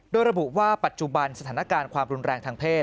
โดยระบุว่าปัจจุบันสถานการณ์ความรุนแรงทางเพศ